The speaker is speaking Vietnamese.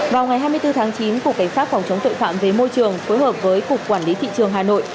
vào ngày hai mươi bốn tháng chín cục cảnh sát phòng chống tội phạm về môi trường phối hợp với cục quản lý thị trường hà nội